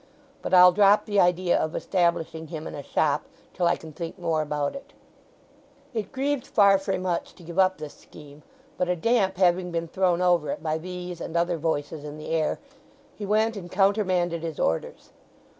But I'll drop the idea of establishing him in a shop till I can think more about it." It grieved Farfrae much to give up this scheme. But a damp having been thrown over it by these and other voices in the air, he went and countermanded his orders.